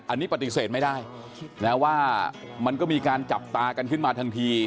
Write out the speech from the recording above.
อันนี้ปฏิเสธไม่ได้นะว่ามันก็มีการจับตากันขึ้นมาทันที